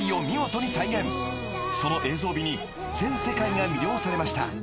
［その映像美に全世界が魅了されました］